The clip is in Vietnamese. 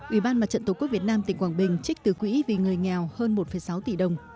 ủy ban mặt trận tổ quốc việt nam tỉnh quảng bình trích từ quỹ vì người nghèo hơn một sáu tỷ đồng